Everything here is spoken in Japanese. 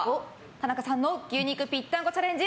田中さんの牛肉ぴったんこチャレンジ